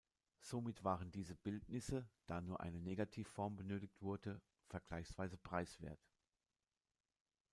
Somit waren diese Bildnisse, da nur eine Negativform benötigt wurde, vergleichsweise preiswert.